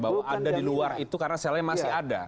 bahwa ada di luar itu karena selnya masih ada